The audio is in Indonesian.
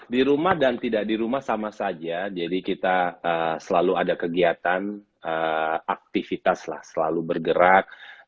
di rumah dan tidak di rumah sama saja jadi kita selalu ada kegiatan aktivitas lah selalu bergerak